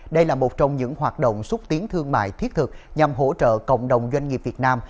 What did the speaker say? đây là một trong những hoạt động xúc tiến thương mại thiết thực nhằm hỗ trợ cộng đồng doanh nghiệp việt nam